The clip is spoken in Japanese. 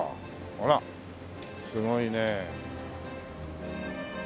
ほらすごいね。